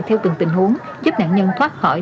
theo từng tình huống giúp nạn nhân thoát khỏi